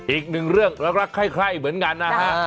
อีกหนึ่งเรื่องรักไข้เหมือนกันนะฮะ